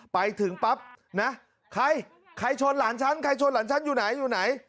ไปถึงปั๊บนะใครใครชนหลานฉันใครชนหลานฉันอยู่ไหนอยู่ไหน